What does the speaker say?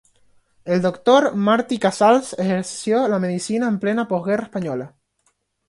El Dr. Martí Casals ejerció la medicina en plena posguerra española.